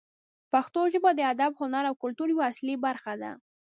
پښتو ژبه د ادب، هنر او کلتور یوه اصلي برخه ده.